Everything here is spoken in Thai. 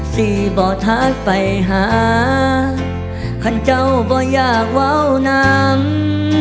สิบอกทักไปหาท่านเจ้าบอกอยากว้าวนำ